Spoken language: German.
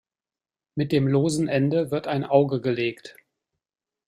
Mit dem losen Ende wird ein Auge gelegt.